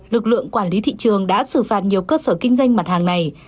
lực lượng quản lý thị trường đã xử phạt nhiều cơ sở kinh doanh mặt hàng này